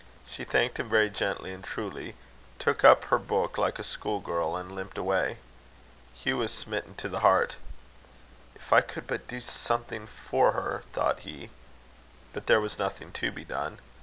She thanked him very gently and truly, took up her book like a school girl, and limped away. Hugh was smitten to the heart. "If I could but do something for her!" thought he; but there was nothing to be done.